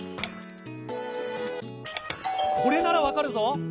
「これならわかるぞ！」。